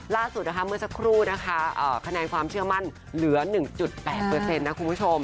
ล่าสุดนะคะเมื่อสักครู่นะคะคะแนนความเชื่อมั่นเหลือ๑๘นะคุณผู้ชม